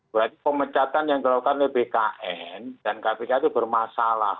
berarti pemecatan yang dilakukan oleh bkn dan kpk itu bermasalah